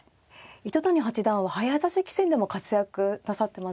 糸谷八段は早指し棋戦でも活躍なさってますよね。